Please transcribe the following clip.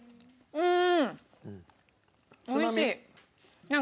うん。